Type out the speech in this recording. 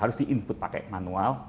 harus di input pakai manual